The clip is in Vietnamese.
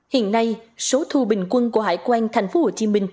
hiện nay số thu bình quân của hải quan tp hcm